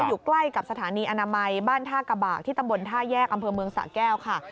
อยู่ใกล้กับสถานีอนามัยบ้านท่ากระบากที่ตำบลท่าแยกอำเภอเมืองสะแก้วค่ะ